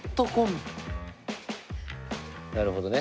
なるほどね。